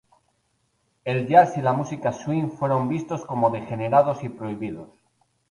El jazz y la música swing fueron vistos como degenerados y prohibidos.